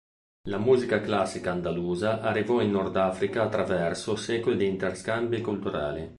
La musica classica andalusa arrivò in Nord Africa attraverso secoli di interscambi culturali.